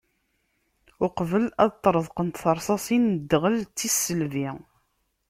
Uqbel ad ṭṭreḍqent tersasin n dɣel d tisselbi.